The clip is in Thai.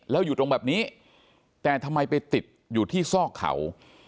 แล้วอยู่ตรงแบบนี้แต่ทำไมไปติดอยู่ที่ซอกเขา